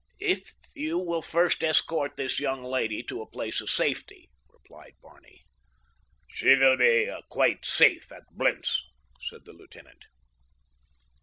"If you will first escort this young lady to a place of safety," replied Barney. "She will be quite safe at Blentz," said the lieutenant.